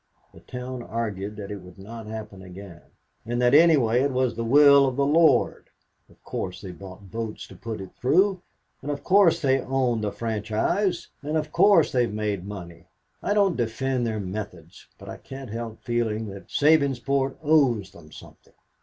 The town argued that it would not happen again, and that anyway it was the will of the Lord! Of course they bought votes to put it through, and of course they own the franchise, and of course they have made money. I don't defend their methods, but I can't help feeling that Sabinsport owes them something.